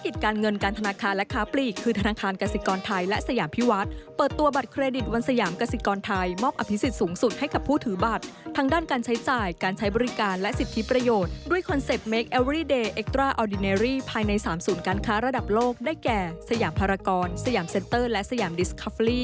เดี๋ยวไปติดตามพร้อมกันจากรายงานนี้เลยค่ะ